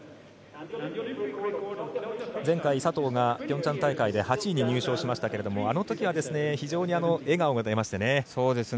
前回、佐藤がピョンチャン大会で８位に入賞しましたけれどもあのときは非常に笑顔が出まして。